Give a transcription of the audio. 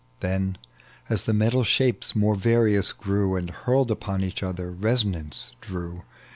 . Then, as the metal shapes more various grew, And, hnrled upon each other, resonance drew.